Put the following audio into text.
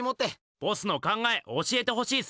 ボスの考え教えてほしいっす！